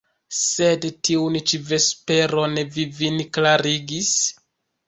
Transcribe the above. Sed tiun ĉi vesperon vi vin klarigis?